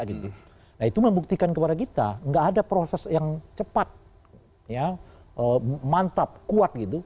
nah itu membuktikan kepada kita nggak ada proses yang cepat mantap kuat gitu